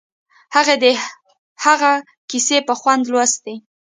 هغې د هغه کیسې په خوند لوستې